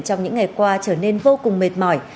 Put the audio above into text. trong những ngày qua trở nên vô cùng mệt mỏi